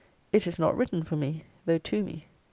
It is not written for me, though to me.